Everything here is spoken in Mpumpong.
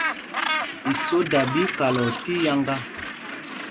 Isóda ɓí í kalɔɔ tíiyáŋgá.